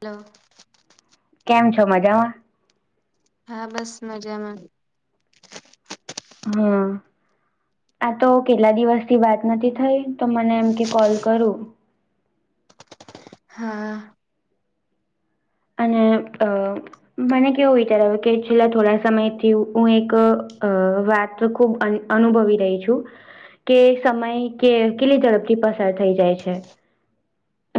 Hello. તમે કેમ છો? માજા મા? હા, બસ મજામાં. હા. આ તો કેટલા દિવસ થી વાત નથી થઈ તો મને એમ કે કોલ કરું. હા. અને અ મને કેવો વિચાર આવ કે છેલ્લા થોડા સમય થી હું એક વાત ખુબ અં અનુભવી રહી છું. કે સમય કે કેટલી ઝડપથી પસાર થઈ જાય છે.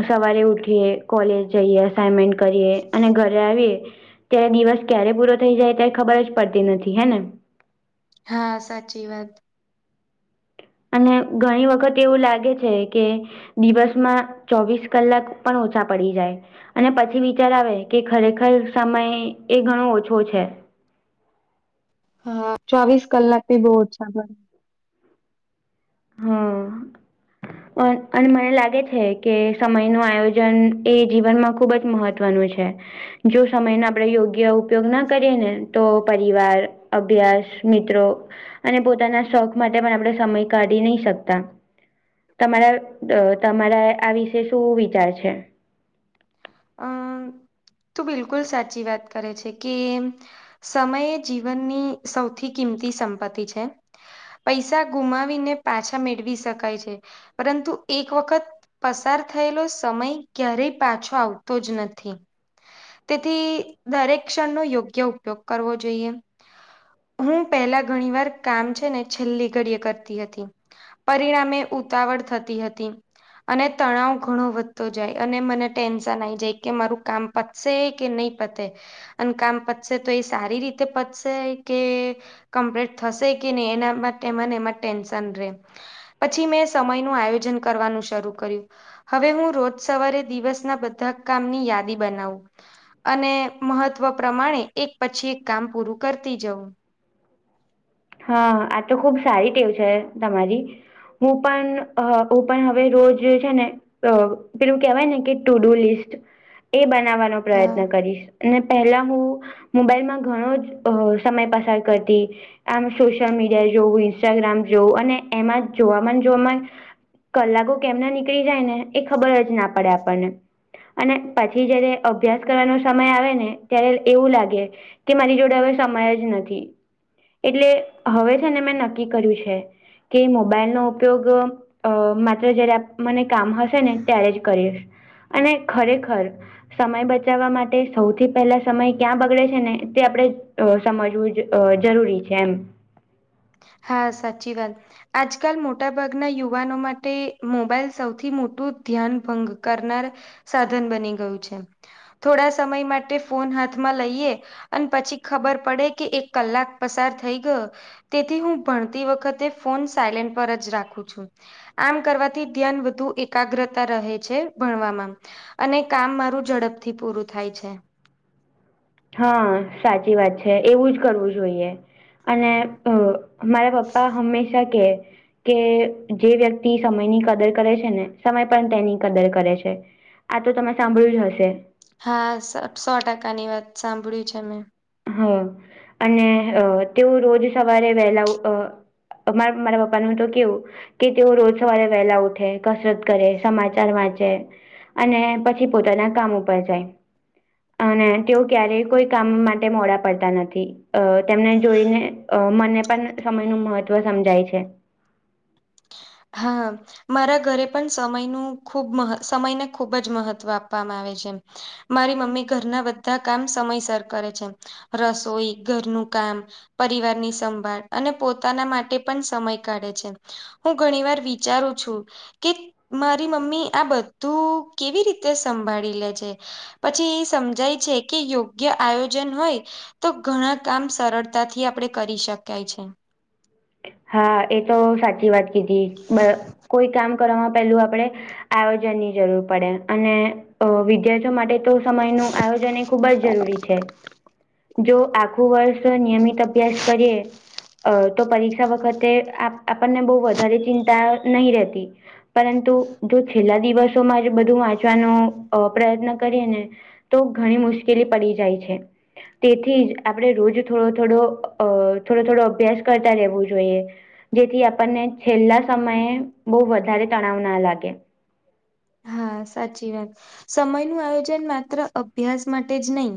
સવારે ઉઠીએ, કોલેજ જઈએ, અસાઈનમેન્ટ કરીએ અને ઘરે આવીએ. ત્યારે દિવસ ક્યારે પૂરો થઈ ત્યારે ખબર જ પડતી નથી. હે ને? હા, સાચી વાત. અને ઘણી વખત એવું લાગે છે કે દિવસમાં ચોવીસ કલાક પણ ઓછા પડી જાય. અને પછી વિચાર આવે કે ખરેખર સમય એ ઘણો ઓછો છે. હા, ચોવીસ કલાક બી બો ઓછા હમ. અ અને મને લાગે છે કે સમય નું આયોજન એ જીવનમાં ખુબ જ મહત્વનું છે. જો સમય નો આપણેે યોગ્ય ઉપયોગ ના કરીએ ને તો પરિવાર અભ્યાસ મિત્રો અને પોતાના શોખ માટે પણ આપણે સમય કાઢી નહી શકતા. તમારા તમારા આ વિશે શું વિચાર છે. અમ તું બિલકુલ સાચી વાત કરે છે. કેમ સમય એ જીવનની સૌથી કિંમતી સંપત્તિ છે. પૈસા ગુમાવીને પાછા મેળવી શકાય છે. પરંતુ એક વખત પસાર થયેલો સમય ક્યારેય પાછો આવતો તો જ નથી. તેથી દરેક ક્ષણનો યોગ્ય ઉપયોગ કરવો જોઈએ. હું પેલા ઘણી વાર કામ છે ને છેલ્લી ઘડીએ કરતી હતી. પરિણામે ઉતાવળ થતી હતી. અને તણાવ ઘણો વધતો જાય અને મને ટેન્શ ન આયી જાય કે મારું કામ પતશે કે નહી પતે. અને કામ પતશે તો એ સારી રીતે પતશે કે કમ્પ્લીટ થશે કે નહી એના માટે મને એમાં ટેન્શન રે. પછી મેં સમયનું આયોજન કરવાનું શરૂ કર્યું. હવે હું રોજ સવારે દિવસના બધા કામની યાદી બનાવું. અને મહત્ત્વ પ્રમાણે એક પછી એક કામ પૂરું કરતી જવું. હા આ તો ખુબ સારી ટેવ છે તમારી. હું પણ અહં હું પણ હવે રોજ છે ને અ પેલું કેહેવાય ને કે ટુ ડુ લિસ્ટ એ બનાવાનો હા પ્રયત્ન કરીશ. ને પહેલા હું મોબાઈલમાં ઘણો જ અ સમય પસાર કરતી. આમ સોશિયલ મીડિયા જોવું ઇન્સ્ટાગ્રામ જોવું અને એમાં જોવામાં જોવામાં કલાકો કેમના નીકળી જાય ને એ ખબર જ ના પડે આપણને. અને પછી જયારે અભ્યાસ કરવાનો સમય આવે ને ત્યારે એવું લાગે. કે મારી જોડે હવે સમય જ નથી. એટલે હવે છે ને મેં નક્કી કર્યું છે કે મોબાઈલ નો ઉપયોગ અ માત્ર જયારે આ મને કામ હશે ને ત્યારે જ કરીએ અને ખરેખર સમય બચાવા માટે સૌથી પહેલા સમય ક્યાં બગડે છે ને તે આપણેે અ સમજવું જ અ જરૂરી છે એમ. હા સાચી વાત. આજકાલ મોટાભાગના યુવાનો માટે મોબાઈલ સૌથી મોટું ધ્યાન ભંગ કરનાર સાધન બની ગયું છે થોડા સમય માટે ફોન હાથમાં લઈએ. અને પછી ખબર પડે કે એક કલાક પસાર થઈ ગયો. તેથી હું ભણતી વખતે ફોન સાયલેન્ટ પર જ રાખું છું. આમ કરવાથી ધ્યાન વધુ એકાગ્રતા રહે છે ભણવામાં. અને કામ મારું ઝડપથી પૂરું થાય છે. હા સાચી વાત છે એવું જ કરવું જોઈએ અને અ મારા પપ્પા હમેશા કે કે જે વ્યક્તિ સમયની કદર કરે છે ને સમય પણ તેની કદર કરે છે. આ તો તમે સાંભળ્યું જ હશે. હા સ સો ટકાની વાત સાંભળ્યું છે મેં. હ અને અ તેવું રોજ સવારે વહેલા ઉ અ અમારે મારા પપ્પા નું તો કેવું કે તેઓ રોજ સવારે વહેલા ઉઠે કસરત કરે સમાચાર વાંચે, અને પછી પોતાના કામ ઉપર જાય અને તેઓ ક્યારેય કોઈ કામ માટે, તે મોડા પડતા નથી, અ તેમને જોઈને અ મને પણ સમયનું મહત્વ સમજાય છે, હા મારા ઘરે પણ સમયનું ખૂબ મહત્વ સમયને ખૂબ જ મહત્વ આપવામાં આવે છે, મારી મમ્મી ઘરના બધા કામ સમયસર કરે છે, રસોઈ ઘરનું કામ. પરિવારની સંભાળ અને પોતાના માટે પણ સમય કાઢે છે, હું હું ઘણીવાર વિચારું છું, કે મારી મમ્મી આ બધું કેવી રીતે સંભાળી લે છે? પછી ઇ સમજાય છે, કે યોગ્ય આયોજન હોય. તો ઘણા કામ સરળતાથી આપડે કરી શકાય છે. હા એતો સાચી વાત કીધી, બ કોઈ કામ કરવામાં પેલું આપડે, આયોજનની જરૂર પડે, અને અ વિદ્યાર્થીઓ માટે તો, સમયનો આયોજન એ ખૂબ જરૂરી છે, જો આખું ખુ વર્ષ નિયમિત અભ્યાસ કરીએ, અ તો પરીક્ષ વખતે આપણને બહુ વધારે ચિંતા નહીં રહેતી. પરંતુ, જો છેલ્લા દિવસોમાં બધું વાંચવાનો અ પ્રયત્ન કરીએને તો ઘણી મુશ્કેલી પડી જાય છે. તેથી જ આપણે રોજ થોડો થોડો, અ થોડો થોડો, અભ્યાસ કરતા રહેવો. જોઈયે, જેથી આપણને છેલ્લા સમયે બહુ વધારે તણાવ ના લાગે. હા, સાચી વાત, સમયનું આયોજન માત્ર અભ્યાસ માટે જ નહીં.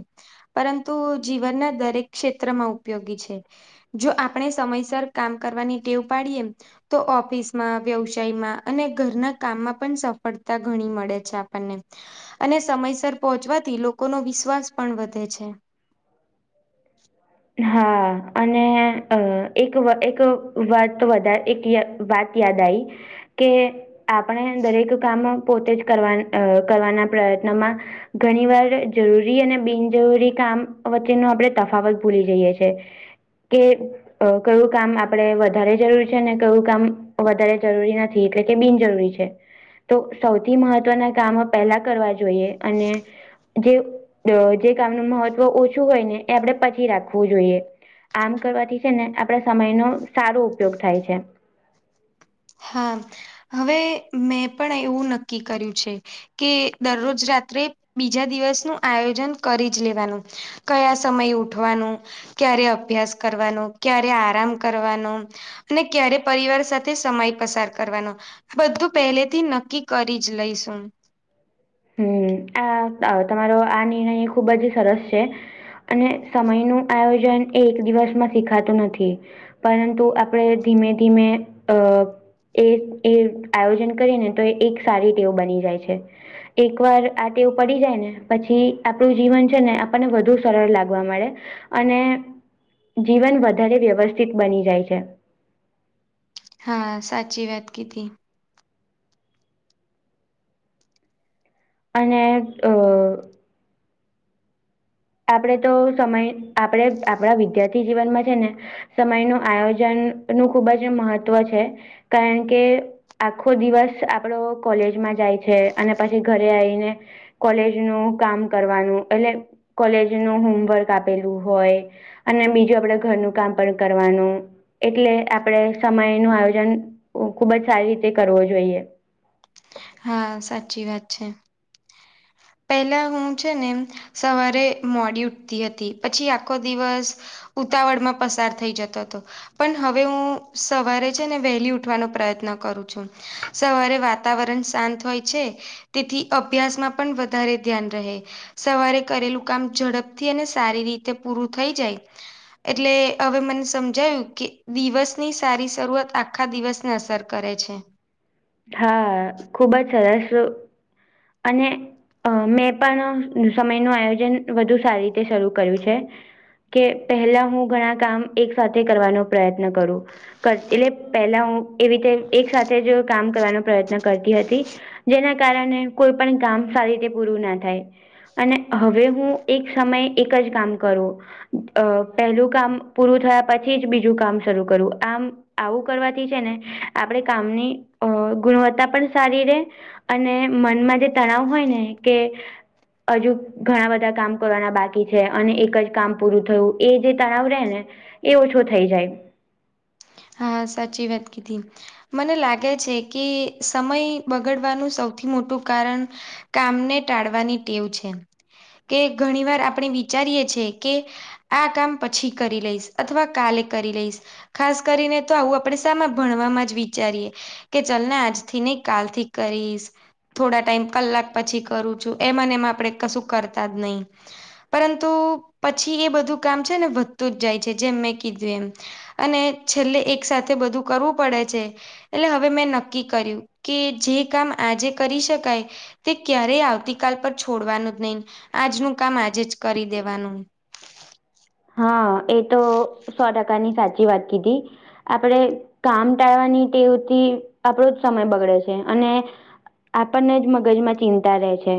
પરંતુ, જીવનના દરેક ક્ષેત્રમાં ઉપયોગી છે. જો આપણે સમયસર કામ કરવાની ટેવ પાડીએ, તો ઓફિસમાં, વ્યવસાયમાં, અને ઘરના કામમાં પણ સફળ તા ઘણી મળે છે આપણને. અને સમયસર પહોંચવાથી લોકોનો વિશ્વાસ પણ વધે છે. હા અને અ એક એક વાત વધારે એક ય વાત, યાદ આઈ કે, આપણે દરેક કામ પોતે જ કરવા અ કરવાના પ્રયત્નમાં ઘણીવાર જરૂરી અને બિનજરૂરી કામ વચ્ચે નો આપણે તફાવત, ભૂલી જઈએ છે, કે અ કયું કામ આપડે વધારે જરૂરી છે, ને કયું કામ વધારે જરૂરી નથ એટલે કે બિનજરૂરી છે, તો સૌથી મહત્વના કામ પેલા કરવા જોઈએ, અને જે અ જે કામનું મહત્વ ઓછું હોયને, એ આપણેે, પછી રાખવું જોઈએ, આમ કરવાથી છે ને, આપડા સમયનો સારો ઉપયોગ થાય છે. હા, હવે મેં પણ એવું નક્કી કર્યું છે. કે દરરોજ રાત્રે, બીજા દિવસનું આયોજન કરીજ લેવાનું, કયા સમય ઉઠવાનું, ક્યારે અભ્યાસ કરવાનું, ક્યારે આરામ કરવાનું, ને ક્યારે પરિવાર સાથે સમય પસાર કરવાનો, બધું પહેલેથી નક્કી કરીજ લઈશું, હમ્મ, આ અ તમારો આ નિર્ણય ખુબ જ સરસ છે. અને સમયનું આયોજન એ એક દિવસમાં શીખાતું નથી. પરંતુ આપણે ધીમે ધીમે અ એક એક આયોજન કરી ને, તો એક સારી ટેવ બની જાય છે. એકવાર આ ટેવ પડી જાય ને, પછી આપણું જીવન છેને, આપણને વધુ સરળ લાગવા લાગે. અને, જીવન વધારે વ્યવસ્થિત બની જાય છે. હા, સાચી વાત કીધી. અને અ આપડે તો સમય, આપડે આપડા વિદ્યાર્થી જીવનમાં છે ને સમયનું આયોજન નું ખૂબ જ મહત્વ છે, કારણ કે આખો દિવસ આપડો કોલેજમાં જાય છે, અને પછી ઘરે આયને કોલેજનુ કામ કરવાનું એટલે કોલેજ નું હોમવર્ક આપેલું હોય. અને બીજું આપડે ઘરનું કામ પણ કરવાનું. એટલે આપણેે સમય નું આયોજન ખુબ જ સારી રીતે કરવો જોઈએ. હા, સાચી વાત છે. પહેલા હું છે ને સવારે મોડી ઉઠતી હતી, પછી આખો દિવસ ઉતાવળમાં પસાર થઈ જતો હતો. પણ હવે હું સવારે છે ને વહેલી ઉઠવાનો પ્રયત્ન કરું છું. સવારે વાતાવરણ શાંત હોય છે. તેથી અભ્યાસમાં પણ વધારે ધ્યાન રહે. સવારે કરેલું કામ ઝડપથી અને સારી રીતે પૂરું થઈ જાય. એટલે હવે મને સમજાયુ. કે દિવસની સારી શરૂઆત આખા દિવસને અસર કરે છે. હા, ખુબ જ સરસ અને અ મેં પણ સમયનું આયોજન વધુ સારી રીતે શરૂ કર્યું છે. કે પહેલા હું ઘણા કામ એક સાથે કરવાનો પ્રયત્ન કરું. કર એટલે પહેલા હું એવી રીતે એક સાથે જ કામ કરવાનો પ્રયત્ન કરતી હતી. જેના કારણે કોઈ પણ કામ સારી રીતે પૂરું ના થાય. અને હવે હું એક સમયે એક જ કામ કરું. અ પહેલું કામ પૂરું થયા પછી જ બીજું કામ શરૂ કરું. આમ આવું કરવાથી છે ને આપડે કામની અ ગુણવત્તા પણ સારી રેહ. અને મનમાં જે તણાવ હોય ને કે હજુ ઘણા બધા કામ કરવાના બાકી છે, અને એક જ કામ પૂરું થયું. એ જે તણાવ રે ને એ ઓછો થઈ જાય. હા, સાચી વાત કીધી. મને લાગે છે કે સમય બગડવાનું સૌથી મોટું કારણ કામને ટાળવાની ટેવ છે. કે ઘણી વાર આપણે વિચારીએ છે કે આ કામ પછી કરી લઈશ. અથવા કાલે કરી લઈશ. ખાસ કરીને તો આવું આપડે સામા ભણવામાં જ વિચારીએ. કે ચલ ને આજથી નહી કાલ થી કરીશ. થોડા ટાઈમ કલાક પછી કરું છું. એમા ને એમાં આપણેે કશું કરતા જ નહી. પરંતુ પછી એ બધું કામ છે ને વધતું જ જાય છે. જેમ મેં કીધું એમ. અને છેલ્લે એક સાથે બધું કરવું પડે છે. એટલે હવે મેં નક્કી કર્યું કે જે કામ આજે કરી શકાય. તે ક્યારેય આવતી કાલ પર છોડવાનું જ નહી. આજનું કામ આજે જ કરી દેવાનું. હા, એ તો સો ટકાની સાચી વાત કીધી. આપડે કામ ટાળવાની ટેવથી આપણો જ સમય બગડે છે. અને આપણને જ મગજમાં ચિંતા રહે છે.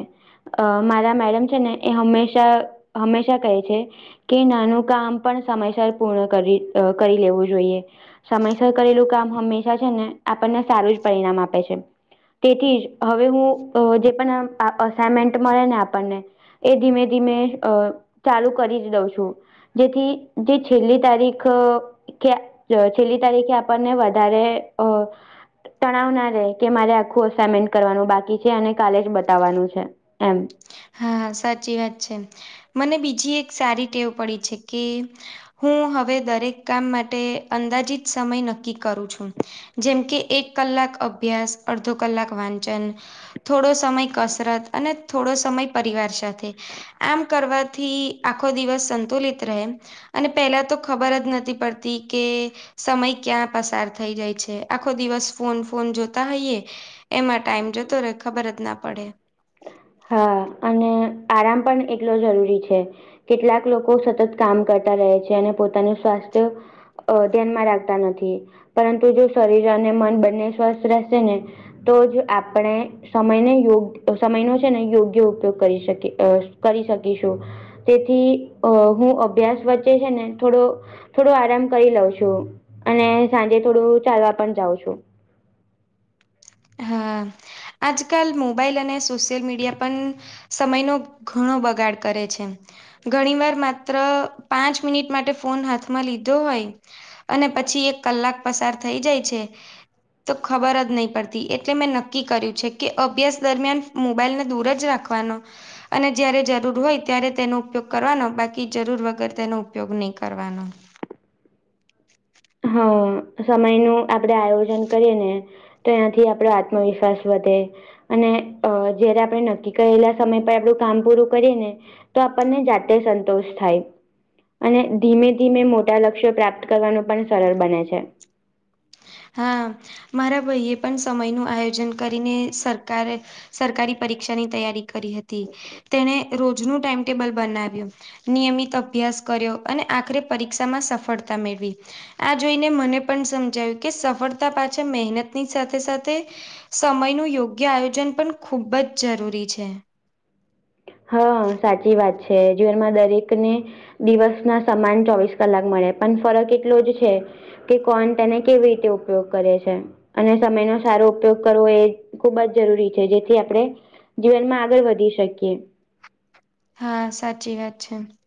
અ મારા મેડમ છે ને એ હમેશા હંમેશા કહે છે. કે નાનું કામ પણ સમયસર પૂર્ણ કરી અ કરી લેવું જોઈએ. સમયસર કરેલું કામ હંમેશા છે ને આપણને સારું જ પરિણામ આપે છે. તેથી જ હવે હું જે પણ અસાાઈનમેન્ટ મળે ને આપણને, એ ધીમે ધીમે અ ચાલુ કરી જ દઉં છું. જેથી જે છેલ્લી તારીખ. કે છેલ્લી તારીખે આપણને વધારે અ, તણાવ ના રે કે મારે આખું અસાઇમેન્ટ કરવાનું બાકી છે અને કાલે જ બતાવવાનું છે. એમ. હા, સાચી વાત છે. મને બીજી એક સારી ટેવ પડી છે કે, હું હવે દરેક કામ માટે અંદાજીત સમય નક્કી કરું છું. જેમ કે એક કલાક અભ્યાસ અડધો કલાક વાંચન, થોડો સમય કસરત અને થોડો સમય પરિવાર સાથે. આમ કરવાથી આખો દિવસ સંતુલિત રહે. અને પહેલા તો ખબર જ નથી પડતી કે. સમય ક્યાં પસાર થઈ જાય છે આખો દિવસ ફોન ફોન જોતા હોઈયએ, એમાં ટાઈમ જતો રહે ખબર જ ના પડે. હા અને આરામ પણ એટલો જરૂરી છે. કેટલાક લોકો સતત કામ કરતા રહે છે અને પોતાનું સ્વાસ્થ્ય, અ ધ્યાનમાં રાખતા નથી પરંતુ જો શરીર અને મન બંને સ્વસ્થ રહેશે ને, તો જ આપણે સમયને યોગ્ય સમયનો છે ને યોગ્ય ઉપયોગ કરી શકી કરી શકીશું. તેથી અ હું અભ્યાસ વચ્ચે છે ને થોડો થોડું આરામ કરી લઉં છું અને સાંજે થોડું ચાલવા પણ જાઉં છું. હા આજકાલ મોબાઈલ અને સોશિયલ મીડિયા પણ સમયનો ઘણો બગાડ કરે છે. ઘણી વાર માત્ર પાંચ મિનિટ માટે ફોન હાથમાં લીધો હોય. અને પછી એક કલાક પસાર થઈ જાય છે તો ખબર જ નહી પડતી. એટલે મેં નક્કી કર્યું છે કે અભ્યાસ દરમિયાન મોબાઈલને દૂર જ રાખવાનો. અને જયારે જરૂર હોય ત્યારે તેનો ઉપયોગ કરવાનો બાકી જરૂર વગર તેનો ઉપયોગ નહી કરવાનો. હા સમય નું આપડે આયોજન કરીએ ને, તો એ્યાંથી આપડો આત્મવિશ્વાસ વધે. અને અ જયારે આપણે નક્કી કરેલા સમય પર આપણું કામ પૂરું કરીએ ને, તો આપણને જાતે સંતોષ થાય. અને ધીમે ધીમે મોટા લક્ષ્યો પ્રાપ્ત કરવાનું પણ સરળ બને છે. હા મારા ભાઈ એ પણ સમય નું આયોજન કરીને સરકાર સરકારી પરીક્ષાની તૈયારી કરી હતી. તેને રોજનું ટાઈમટેબલ બનાવ્યું. નિયમિત અભ્યાસ કર્યો અને આખરે પરીક્ષામાં સફળતા મેળવી. આ જોઈને મને પણ સમજાવ્યું કે સફળતા પાછા મહેનતની સાથે સાથે સમયનું યોગ્ય આયોજન પણ ખૂબ જ જરૂરી છે. હા, સાચી વાત છે. જીવનમાં દરેક ને દિવસ ના સમાન ચોવીસ કલાક મળે પણ ફરક એટલો જ છે. કે કોન તેને કેવી રીતે ઉપયોગ કરે છે. અને સમયનો સારો ઉપયોગ કરવો એ ખૂબ જ જરૂરી છે જેથી આપડે, જીવનમાં આગળ વધી શકીએ. હા સાચી વાત છે.